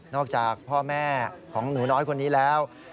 จากพ่อแม่ของหนูน้อยคนนี้แล้ว